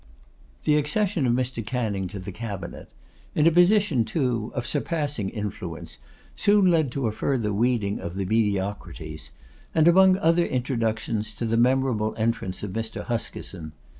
The accession of Mr. Canning to the cabinet, in a position, too, of surpassing influence, soon led to a further weeding of the Mediocrities, and, among other introductions, to the memorable entrance of Mr. Huskisson.